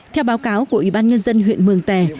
theo báo cáo của ủy ban nhân dân huyện mường tè